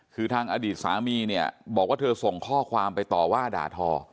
คือทางอดีตสามีเนี่ยบอกว่าเธอส่งข้อความไปต่อว่าด่าทอ